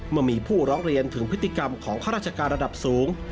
เมื่อมีผู้ร้องเรียนถึงพฤติกรรมของข้าราชการระดับสูง